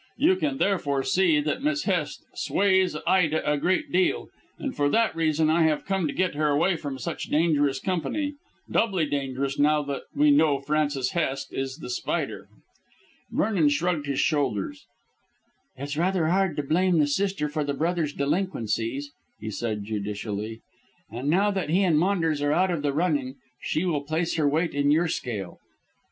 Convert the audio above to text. You can therefore see that Miss Hest sways Ida a great deal, and for that reason I have come to get her away from such dangerous company doubly dangerous now that we know Francis Hest is The Spider." Vernon shrugged his shoulders. "It's rather hard to blame the sister for the brother's delinquencies," he said judicially. "And now that he and Maunders are out of the running she will place her weight in your scale.